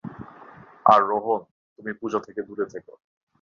আর রোহন, তুমি পুজা থেকে দূরে থেকো।